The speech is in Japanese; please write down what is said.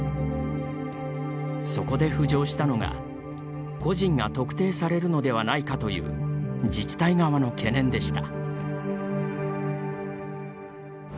そこで浮上したのが個人が特定されるのではないかという自治体側の懸念でした。